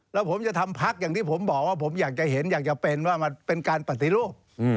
แล้วผมจะทำพักอย่างที่ผมบอกว่าผมอยากจะเห็นอยากจะเป็นว่ามันเป็นการปฏิรูป